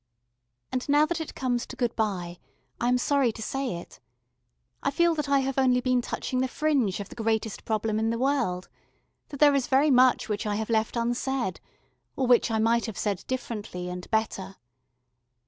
And now that it comes to good bye, I am sorry to say it. I feel that I have only been touching the fringe of the greatest problem in the world: that there is very much which I have left unsaid, or which I might have said differently, and better.